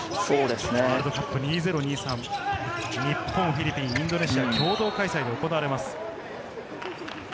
ワールドカップ２０２３、日本、フィリピン、インドネシア、共同開催で行われます。